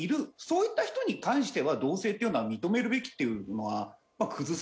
そういった人に関しては同棲っていうのは認めるべきっていうのは崩せなかったかな。